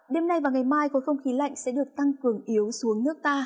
đêm nay và ngày mai khối không khí lạnh sẽ được tăng cường yếu xuống nước ta